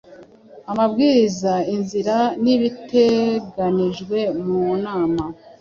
amabwiriza, inzira nibiteganijwemunama